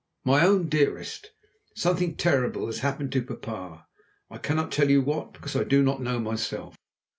"MY OWN DEAREST. Something terrible has happened to papa! I cannot tell you what, because I do not know myself.